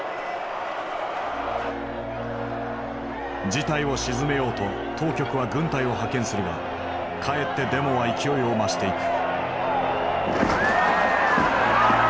事態を鎮めようと当局は軍隊を派遣するがかえってデモは勢いを増していく。